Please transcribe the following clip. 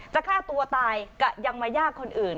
ฆ่าตัวตายก็ยังมายากคนอื่น